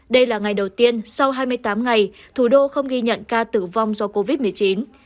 đây là ngày đầu tiên sau hai mươi tám ngày thủ đô không ghi nhận ca tử vong do covid một mươi chín